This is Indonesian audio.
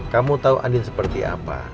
kamu tahu andin seperti apa